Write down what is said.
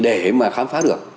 để mà khám phá được